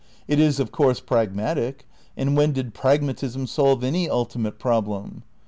It is, of course pragmatic, and when did pragmatism solve any ultimate problem?